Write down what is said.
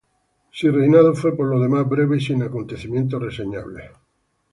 Su reinado fue por lo demás breve y sin acontecimientos reseñables.